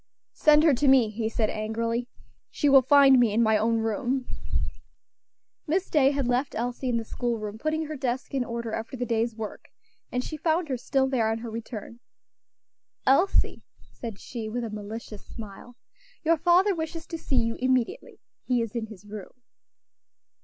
"Send her to me," he said, angrily. "She will find me in my own room." Miss Day had left Elsie in the school room putting her desk in order after the day's work, and she found her still there on her return. "Elsie," said she, with a malicious smile, "your father wishes to see you immediately. He is in his room."